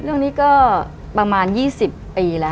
เรื่องนี้ก็ประมาณ๒๐ปีแล้ว